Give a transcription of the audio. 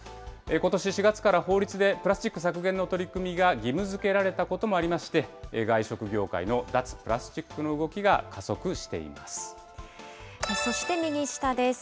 ことし４月から法律でプラスチック削減の取り組みが義務づけられたこともありまして、外食業界の脱プラスチックの動きが加速してそして右下です。